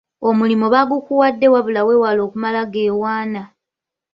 Omulimu bagukuwadde wabula weewale okumalageewaana.